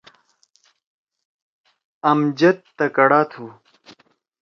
امجد تکڑا تُھو۔